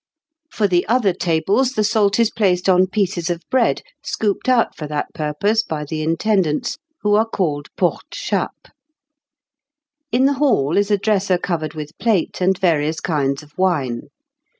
For the other tables the salt is placed on pieces of bread, scooped out for that purpose by the intendants, who are called porte chappes. In the hall is a dresser covered with plate and various kinds of wine.